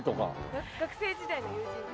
学生時代の友人です。